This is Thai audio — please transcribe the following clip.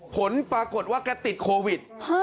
ผลปรากฏว่าแกติดโควิด